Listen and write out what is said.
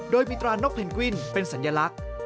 โดยมีตรานกเพนกวินเป็นสัญลักษณ์